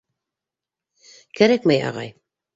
Кәрәкмәй, ағай...